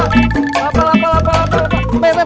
kelapa kelapa kelapa kelapa